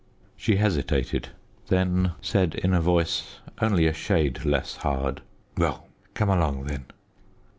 She hesitated; then said in a voice only a shade less hard "Well, come along, then."